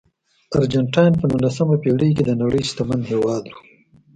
ارجنټاین په نولسمه پېړۍ کې د نړۍ شتمن هېواد و.